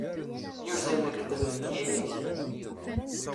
Yuzzel lekdeb deg yimi-k.